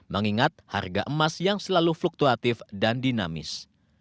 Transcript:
mengingat harga emas yang selalu fluktuatif dan dinamis